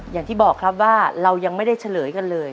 อย่างที่บอกครับว่าเรายังไม่ได้เฉลยกันเลย